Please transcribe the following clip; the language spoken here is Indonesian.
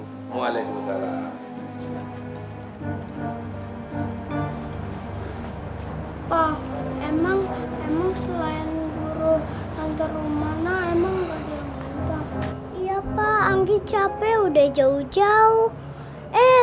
pak emang emang selain guru hantar rumahnya emang enggak ada yang minta iya pak anggi capek udah jauh jauh eh